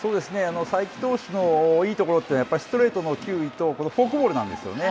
才木投手のいいところはストレートの球威とこのフォークボールなんですよね。